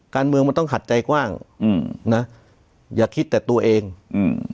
การเมืองมันต้องขัดใจกว้างอืมนะอย่าคิดแต่ตัวเองอืม